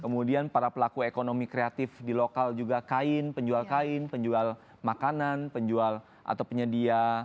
kemudian para pelaku ekonomi kreatif di lokal juga kain penjual kain penjual makanan penjual atau penyedia